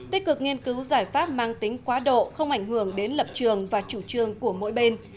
tích cực nghiên cứu giải pháp mang tính quá độ không ảnh hưởng đến lập trường và chủ trương của mỗi bên